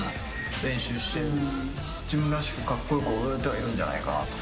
練習して自分らしくかっこよく踊れてはいるんじゃないかなと。